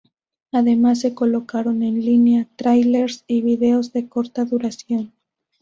Además, se colocaron en línea "tráilers" y vídeos de corta duración.